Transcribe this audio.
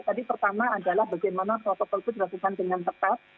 tadi pertama adalah bagaimana protokol itu dilakukan dengan tepat